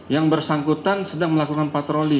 yang bersangkutan sedang melakukan patroli